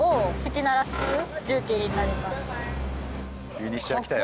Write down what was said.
フィニッシャーきたよ。